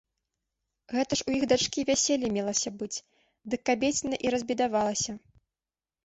Гэта ж ў іх дачкі вяселле мелася быць, дык кабеціна і разбедавалася.